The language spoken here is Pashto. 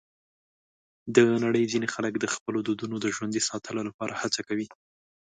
د نړۍ ځینې خلک د خپلو دودونو د ژوندي ساتلو لپاره هڅه کوي.